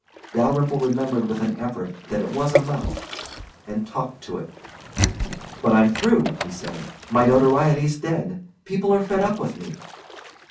Dalyrimple remembered with an effort that it was a mouth, and talked to it. "But I'm through," he said. "My notoriety's dead. People are fed up with me."